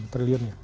enam triliun ya